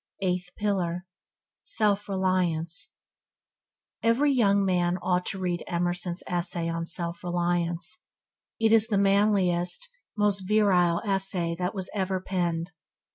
Eighth pillar – Self reliance Every young man ought to read Emerson's essay on 'Self Reliance'. It is the manliest, most virile essay that was ever penned.